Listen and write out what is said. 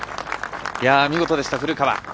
見事でした、古川。